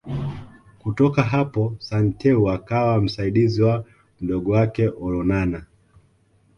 Kutoka hapo Santeu akawa msaidizi wa Mdogo wake Olonana